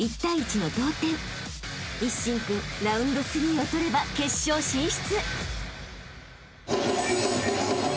［一心君ＲＯＵＮＤ３を取れば決勝進出］